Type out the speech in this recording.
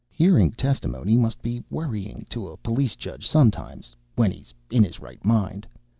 Hearing testimony must be worrying to a Police Judge sometimes, when he is in his right mind.